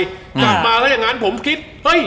และกลับมาอย่างนั้นผมคิด